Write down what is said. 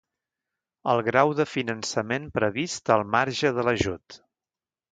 El grau de finançament previst al marge de l'ajut.